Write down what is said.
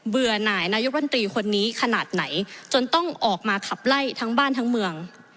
ื่อหน่ายนายกรมตรีคนนี้ขนาดไหนจนต้องออกมาขับไล่ทั้งบ้านทั้งเมือง